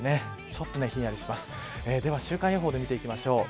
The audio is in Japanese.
では週間予報で見ていきます。